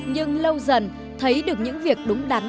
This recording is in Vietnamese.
nhưng lâu dần thấy được những việc đúng đắn